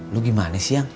lu gimana sih yang